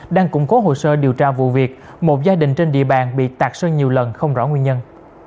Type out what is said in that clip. đang củng cố hồ sơ điều tra vụ việc một gia đình trên địa bàn bị tạc sơn nhiều lần không rõ nguyên nhân